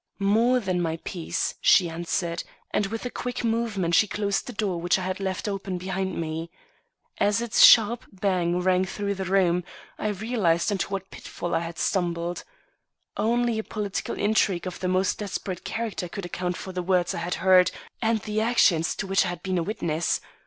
"More than my peace," she answered; and with a quick movement she closed the door which I had left open behind me. As its sharp bang rang through the room, I realized into what a pitfall I had stumbled. Only a political intrigue of the most desperate character could account for the words I had heard and the actions to which I had been a witness.